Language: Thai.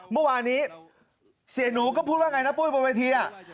เมื่อวานนี้เสียหนูก็พูดว่าไงนะปุ้ยบนเวที